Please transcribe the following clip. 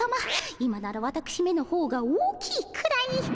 今ならわたくしめのほうが大きいくらい。